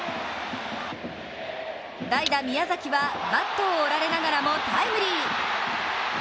代打・宮崎はバットを折られながらもタイムリー。